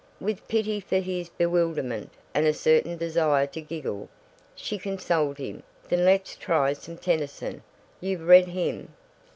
With pity for his bewilderment, and a certain desire to giggle, she consoled him, "Then let's try some Tennyson. You've read him?"